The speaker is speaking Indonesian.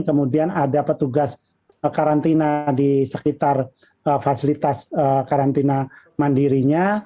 kemudian ada petugas karantina di sekitar fasilitas karantina mandirinya